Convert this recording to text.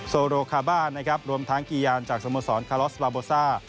โซโลคาบาร์รวมทางกียานจากสโมสรคาลอสบาโบซ่า